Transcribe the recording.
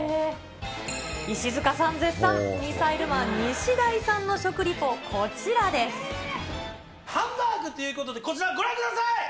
石塚さん絶賛、ミサイルマンハンバーグということで、こちら、ご覧ください。